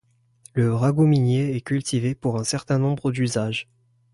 Le ragouminier est cultivé pour un certain nombre d'usages.